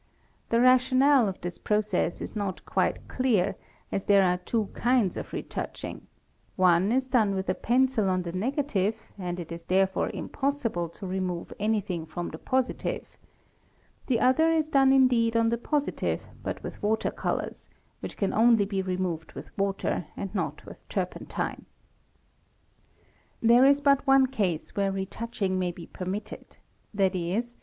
The rationale of this process is not quite clear as there are two kinds of retouching; one is done with a pencil on the negative and it is therefore impossible to remove anything ' from the positive ; the other is done indeed on the positive but with water colours, which can only be removed with water and not with turpentine. 'There is but one case where retouching may be permitted i.e.